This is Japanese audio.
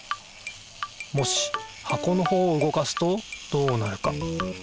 もし箱のほうを動かすとどうなるか？